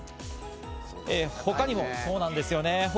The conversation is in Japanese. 他にもそうなんですよね。